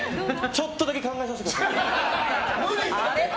ちょっとだけ考えさせてください。